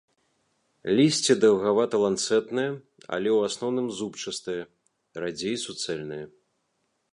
Лісце даўгавата-ланцэтнае, але ў асноўным зубчастае, радзей суцэльнае.